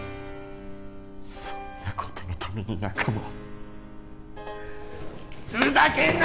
そんなことのために仲間をふざけんな